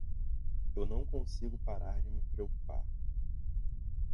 Eu não consigo parar de me preocupar.